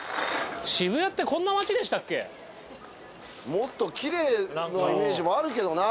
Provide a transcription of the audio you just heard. もっときれいなイメージもあるけどな。